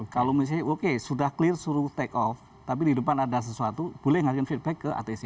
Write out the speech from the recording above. kalau misalnya oke sudah clear suruh take off tapi di depan ada sesuatu boleh ngarikan feedback ke atc